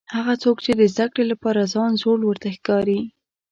هغه څوک چې د زده کړې لپاره ځان زوړ ورته ښکاري.